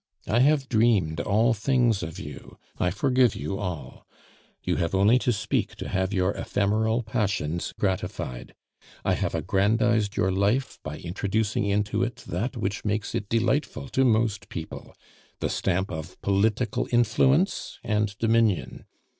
I have dreamed all things of you; I forgive you all. You have only to speak to have your ephemeral passions gratified. I have aggrandized your life by introducing into it that which makes it delightful to most people the stamp of political influence and dominion.